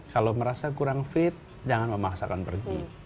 kalau merasa kurang fit jangan memaksakan pergi